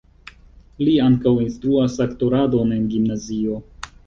Li ankaŭ instruas aktoradon en gimnazio.